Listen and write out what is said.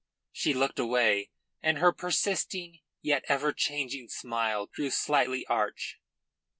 She looked away, and her persisting, yet ever changing smile grew slightly arch.